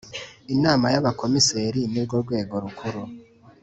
Inama y abakomiseri ni rwo rwego rukuru